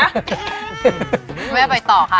คุณแม่ไปต่อค่ะ